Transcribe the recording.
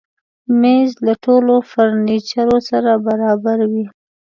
مېز له ټولو فرنیچرو سره برابر وي.